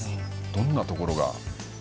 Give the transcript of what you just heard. どんなところが？